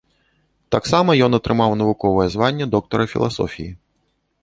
Таксама ён атрымаў навуковае званне доктара філасофіі.